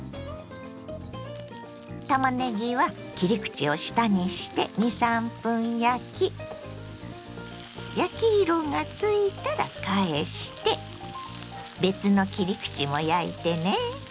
たまねぎは切り口を下にして２３分焼き焼き色がついたら返して別の切り口も焼いてね。